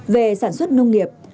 về sản xuất nông nghiệp